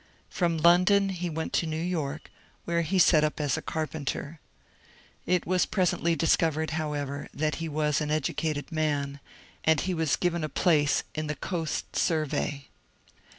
From London he went to New York, where he set up as a carpenter. It was presently discovered, however, that he was an educated man, and he was given a place in the Coast Sur GERMANS IN CINCINNATI 269 vey.